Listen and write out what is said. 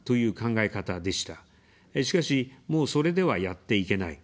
しかし、もう、それでは、やっていけない。